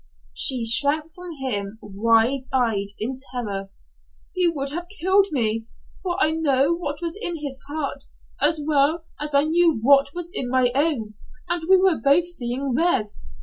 She shrank from him, wide eyed in terror. "He would have killed me for I know what was in his heart as well as I knew what was in my own and we were both seeing red.